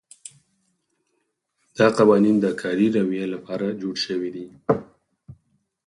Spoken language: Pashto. دا قوانین د کاري رویې لپاره جوړ شوي دي.